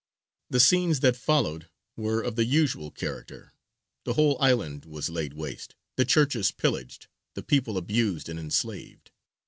The scenes that followed were of the usual character; the whole island was laid waste, the churches pillaged, the people abused and enslaved.